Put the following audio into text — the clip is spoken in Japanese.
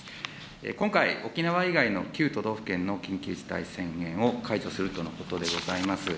今回、沖縄以外の９都道府県の緊急事態宣言を解除するとのことでございます。